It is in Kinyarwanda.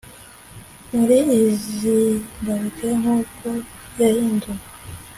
muri zimbabwe nk uko yahinduwe